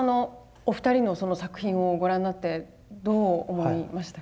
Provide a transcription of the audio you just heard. お二人の作品をご覧になってどう思いましたか？